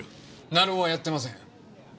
成尾はやってません！